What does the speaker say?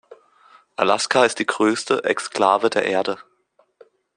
Alaska ist die größte Exklave der Erde.